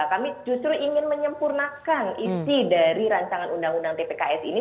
kami justru ingin menyempurnakan isi dari rancangan undang undang tpks ini